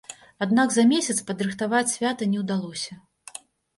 Аднак за месяц падрыхтаваць свята не ўдалося.